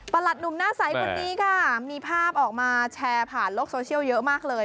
หลัดหนุ่มหน้าใสคนนี้ค่ะมีภาพออกมาแชร์ผ่านโลกโซเชียลเยอะมากเลย